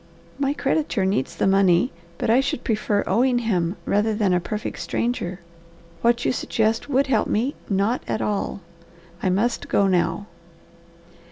"My creditor needs the money, but I should prefer owing him rather than a perfect stranger. What you suggest would help me not at all. I must go now."